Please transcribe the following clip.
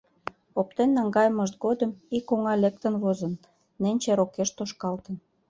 Оптен наҥгайымышт годым ик оҥа лектын возын, ненче рокеш тошкалтын.